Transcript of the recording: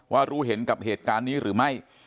ว่ารู้เห็นกับเหตุการณ์นี้หรือไม่